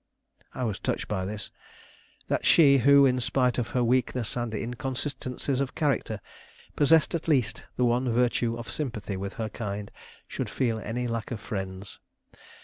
I was touched by this, that she who, in spite of her weakness and inconsistencies of character, possessed at least the one virtue of sympathy with her kind, should feel any lack of friends.